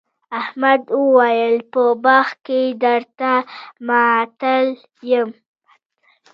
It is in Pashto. احمد وويل: په باغ کې درته ماتل یم.